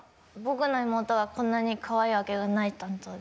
僕の妹はこんなにかわいいわけがない担当です。